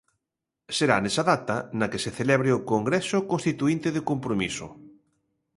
Será nesa data na que se celebre o congreso constituínte de Compromiso.